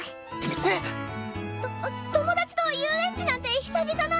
えっ！？と友達と遊園地なんて久々なんで。